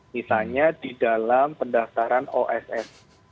misalnya di dalam pendaftaran oss